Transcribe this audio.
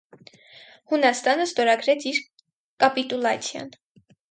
Հունաստանը ստորագրեց իր կապիտուլացիան։